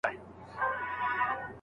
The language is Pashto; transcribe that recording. آيا د اولادونو سمه روزنه ميرمن جنتي کوي؟